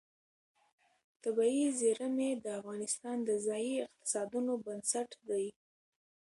طبیعي زیرمې د افغانستان د ځایي اقتصادونو بنسټ دی.